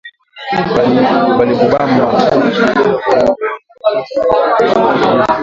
Balimubamba picha moya juzi